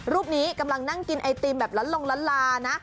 รูปนี้กำลังนั่งกินไอติมแบบล้าน่ะ